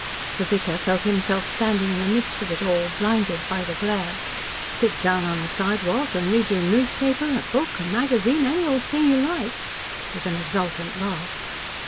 The vicar felt himself standing in the midst of it all, blinded by the glare. "Sit down on the sidewalk and read your newspaper, a book, a magazine any old thing you like," with an exultant laugh.